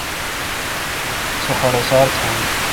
سو خڈوسار تھون۔